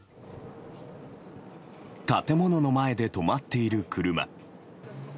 建物の前で止まっている車。